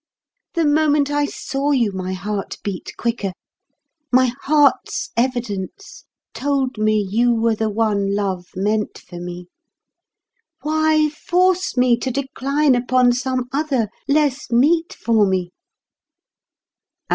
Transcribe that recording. The moment I saw you my heart beat quicker; my heart's evidence told me you were the one love meant for me. Why force me to decline upon some other less meet for me?"